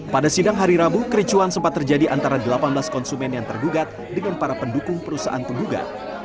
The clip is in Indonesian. pada sidang hari rabu kericuan sempat terjadi antara delapan belas konsumen yang tergugat dengan para pendukung perusahaan penggugat